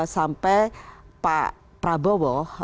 sampai pak prabowo